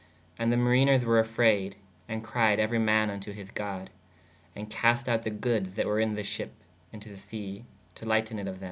And the mariners were afrayed & cried euery man vn to his god/ & cast out [the] goodes [that] were in [the] sheppe in to [the] se/ to lighten it of thē.